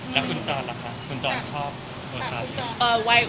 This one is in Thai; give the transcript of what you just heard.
แล้วคุณจอห์นล่ะคะคุณจอห์นชอบ